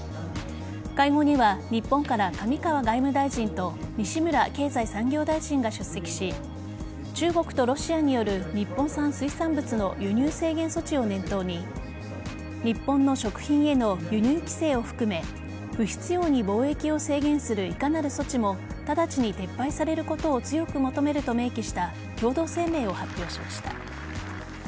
会合には日本から上川外務大臣と西村経済産業大臣が出席し中国とロシアによる日本産水産物の輸入制限措置を念頭に日本の食品への輸入規制を含め不必要に貿易を制限するいかなる措置も直ちに撤廃されることを強く求めると明記した共同声明を発表しました。